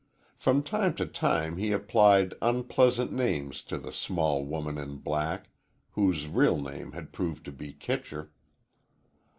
From time to time he applied unpleasant names to the small woman in black, whose real name had proved to be Kitcher.